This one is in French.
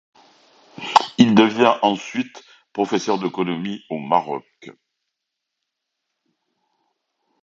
Il devient ensuite professeur d'économie au Maroc.